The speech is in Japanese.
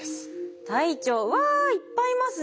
うわいっぱいいますね。